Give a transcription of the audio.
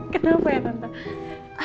kenapa ya tante